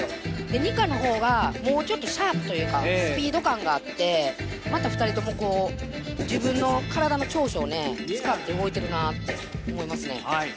でＮｉｃｋａの方がもうちょっとシャープというかスピード感があってまた２人ともこう、自分の体の長所を使って動いてるなって思いますね。